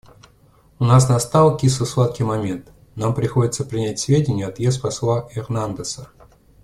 У нас настал кисло-сладкий момент: нам приходится принять к сведению отъезд посла Эрнандеса.